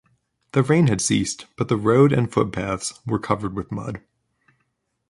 The rain had ceased; but the road and footpaths were covered with mud.